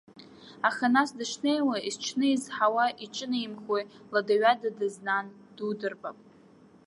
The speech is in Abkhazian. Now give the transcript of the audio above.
Аха нас, дышнеиуа, есҽны изҳауа иҿынеимхои, лада-ҩада дазнан дудырбап.